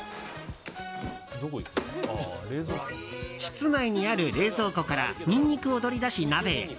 室内にある冷蔵庫からニンニクを取り出し、鍋へ。